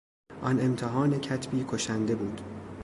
آن امتحان کتبی کشنده بود!